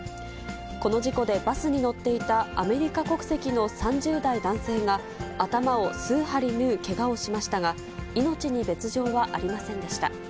この事故でバスに乗っていたアメリカ国籍の３０代男性が、頭を数針縫うけがをしましたが、命に別状はありませんでした。